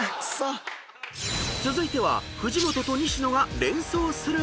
［続いては藤本と西野が連想する番］